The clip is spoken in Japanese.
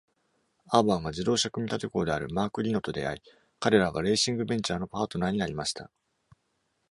アーバンは自動車組立工であるマーク・リノと出会い、彼らはレーシングベンチャーのパートナーになりました。